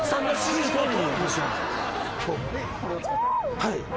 はい。